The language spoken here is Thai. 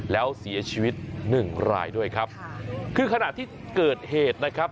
แล้วเสียชีวิตหนึ่งรายด้วยครับคือขณะที่เกิดเหตุนะครับ